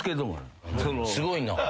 すごいな。